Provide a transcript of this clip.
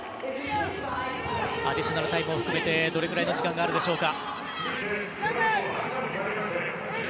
アディショナルタイムを含めてどれぐらいの時間があるでしょうか。